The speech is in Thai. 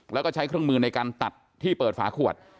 แล้วก็ใช้เครื่องมือในการตัดที่เปิดฝาขวด